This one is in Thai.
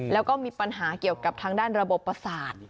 แล้วก็มีปัญหาเกี่ยวกับทางด้านระบบประสาท